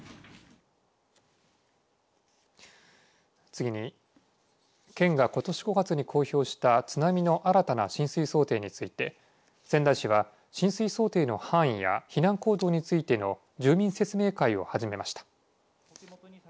次に、県がことし５月に公表した津波の新たな浸水想定について仙台市は浸水想定の範囲や避難行動についての住民説明会を始めました。